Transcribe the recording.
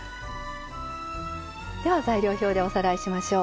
材料表でおさらいしましょう。